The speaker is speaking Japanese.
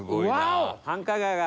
繁華街が。